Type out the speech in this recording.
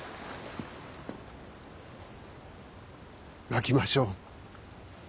泣きましょう。